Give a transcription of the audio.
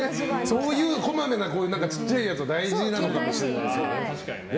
そういうこまめなちっちゃい奴は大事なのかもしれないですね。